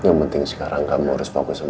yang penting sekarang kamu harus fokus sama kamu